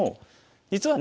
実はね